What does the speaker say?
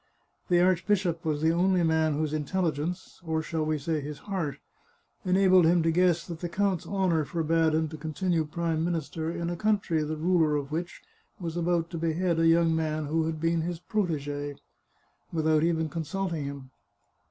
The archbishop was the only man whose intelligence — or shall we say his heart? — en abled him to g^ess that the count's honour forbade him to continue Prime Minister in a country the ruler of which was about to behead a young man who had been his protege, without even consulting him.